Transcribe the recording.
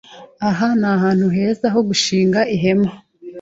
Aha ni ahantu heza ho gushinga ihema.